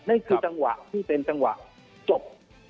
นี่คือจังหวะที่เป็นจังหวะจบ